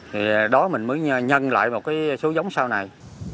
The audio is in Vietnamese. thì đó mình mới nhân lại một cái số giống sau này